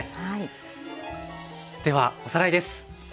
ではおさらいです。